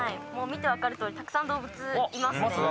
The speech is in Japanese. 見て分かる通りたくさん動物いますね。